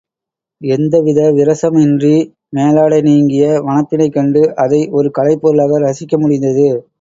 எந்தவித விரசமுமின்றி மேலாடை நீங்கிய வனப்பினைக் கண்டு அதை ஒரு கலைப்பொருளாக ரசிக்க முடிந்தது.